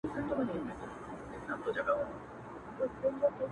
• دې مخلوق ته به مي څنګه په زړه کیږم؟,